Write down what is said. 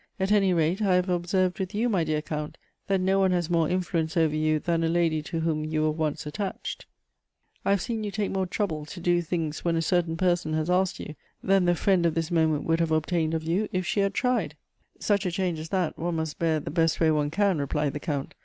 " At any rate, I have observed with you, my dear Count, that no one has more influence over you than a lady to whom you were once attached. Elective Affinities. 91 I have seen you take more trouble to do things when a certain person has asked you, than the fi iend of tliis moment would have obtai.jed of you, if she had tried." " Such a change as that one must hoar the best way one can," replied the Count.